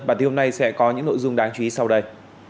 bản tin hôm nay sẽ có những nội dung đáng chú ý sau đây